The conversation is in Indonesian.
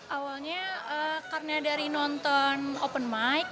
awalnya karena dari nonton open mic